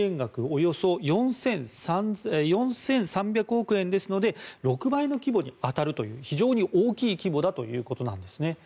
およそ４３００億円ですので６倍の規模に当たるという非常に大きい規模だということなんですね。